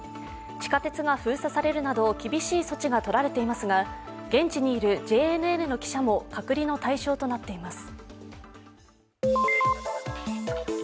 地下鉄が封鎖されるなど厳しい措置がとられていますが現地にいるＪＮＮの記者も隔離の対象となっています。